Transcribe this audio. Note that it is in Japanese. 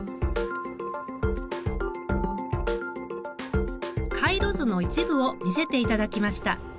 回路図の一部を見せていただきました。